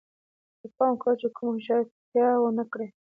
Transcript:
خو پام کوئ چې کومه هوښیارتیا ونه کړئ